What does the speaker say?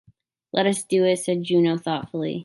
"Let us do it," said Juno thoughtfully.